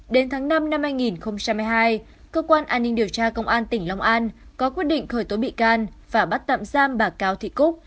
đến tháng năm năm hai nghìn hai mươi hai cơ quan an ninh điều tra công an tỉnh long an có quyết định khởi tố bị can và bắt tạm giam bà cao thị cúc